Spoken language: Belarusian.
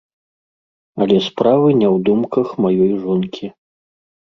Але справы не ў думках маёй жонкі.